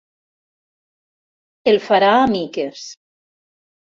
El farà a miques.